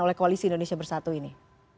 oleh koalisi indonesia bersatu ini